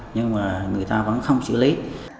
nhưng mà người ta vẫn không xử lý